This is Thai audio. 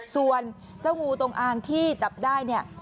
ส่วนเจ้างูตรงอ่างที่จับได้